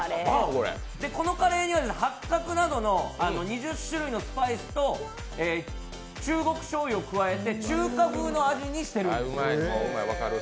このカレーには八角などの２０種類のスパイスと中国しょうゆを加えて中華風の味にしているんです。